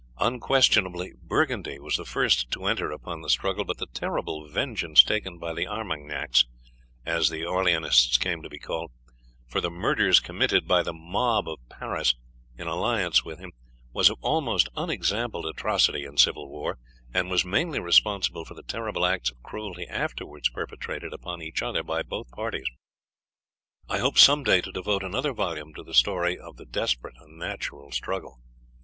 Unquestionably Burgundy was the first to enter upon the struggle, but the terrible vengeance taken by the Armagnacs, as the Orleanists came to be called, for the murders committed by the mob of Paris in alliance with him, was of almost unexampled atrocity in civil war, and was mainly responsible for the terrible acts of cruelty afterwards perpetrated upon each other by both parties. I hope some day to devote another volume to the story of this desperate and unnatural struggle.